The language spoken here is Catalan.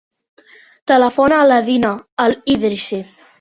Telefona a la Dina El Idrissi.